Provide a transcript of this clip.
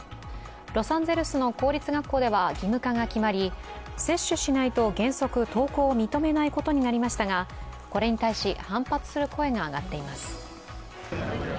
ロサンゼルスの公立学校では義務化が決まり、接種しないと原則、登校を認めないことになりましたがこれに対し、反発する声が上がっています。